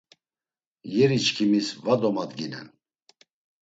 Yeriçkimis va domadginen!